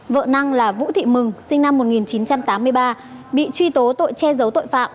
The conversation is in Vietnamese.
vợ năng là vũ thị mừng sinh năm một nghìn chín trăm tám mươi ba bị truy tố tội che giấu tội phạm